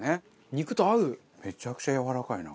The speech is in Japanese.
バカリズム：めちゃくちゃやわらかいな。